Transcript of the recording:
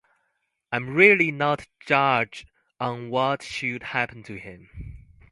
I'm really not the judge on what should happen to him.